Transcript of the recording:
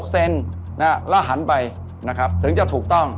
เซนแล้วหันไปนะครับถึงจะถูกต้อง